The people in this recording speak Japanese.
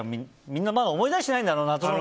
みんな思い出してないんだと思う。